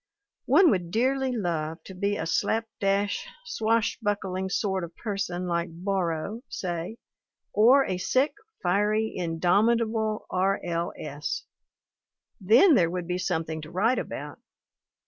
One would dearly love to be a slap dash, swashbuckling sort of person like Borrow, say; or a sick, fiery, indomitable R. L. S. Then there would be something to write about.